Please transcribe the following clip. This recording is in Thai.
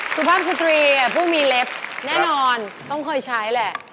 สุภาพสตรีผู้มีเล็บแน่นอนต้องเคยใช้แหละ